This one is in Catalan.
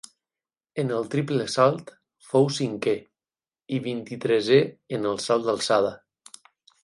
En el triple salt fou cinquè i vint-i-tresè en el salt d'alçada.